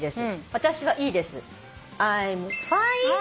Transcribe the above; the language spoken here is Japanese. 「私はいいです」